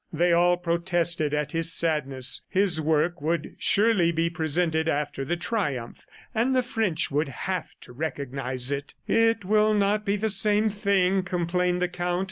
They all protested at his sadness; his work would surely be presented after the triumph, and the French would have to recognize it. "It will not be the same thing," complained the Count.